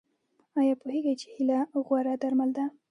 ایا پوهیږئ چې هیله غوره درمل ده؟